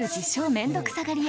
面倒くさがり屋